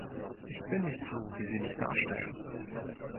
Ich bin nicht so, wie sie mich darstellen.